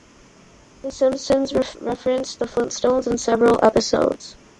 "The Simpsons" referenced "The Flintstones" in several episodes.